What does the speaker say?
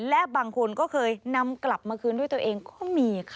และบางคนก็เคยนำกลับมาคืนด้วยตัวเองก็มีค่ะ